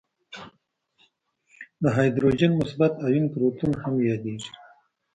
د هایدروجن مثبت آیون پروتون هم یادیږي.